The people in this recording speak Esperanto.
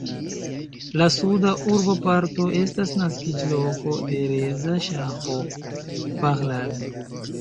La suda urboparto estas naskiĝloko de Reza Ŝaho Pahlavi.